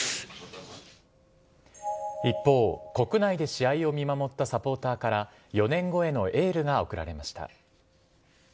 一方、国内で試合を見守ったサポーターから、４年後へのエールが送られました。